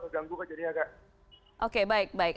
terganggu kejadiannya kak